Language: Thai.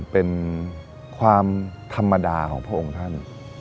เป็นความธรรมดาของพระองค์ท่าน